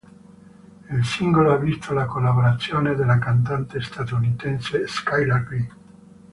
Il singolo ha visto la collaborazione della cantante statunitense Skylar Grey.